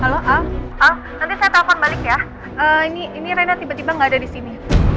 halo aku nanti saya telfon balik ya ini ini tiba tiba enggak ada di sini